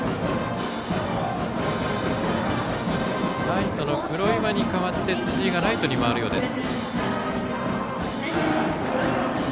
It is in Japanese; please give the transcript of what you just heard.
ライトの黒岩に代わって辻井がライトに回るようです。